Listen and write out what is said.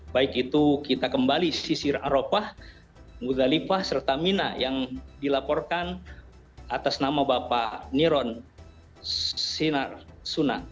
baik itu kita kembali sisi aropah mudalipah serta mina yang dilaporkan atas nama bapak niron sinar sunak